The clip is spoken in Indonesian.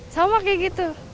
sama kayak gitu